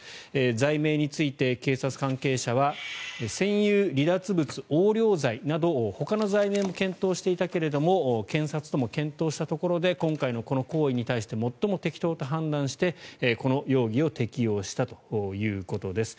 罪名について警察関係者は占有離脱物横領罪などほかの罪名も検討していたけれども検察とも検討したところで今回のこの行為に対して最も適当と判断してこの容疑を適用したということです。